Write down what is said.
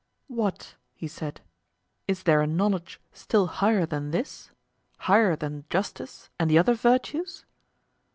What, he said, is there a knowledge still higher than this—higher than justice and the other virtues?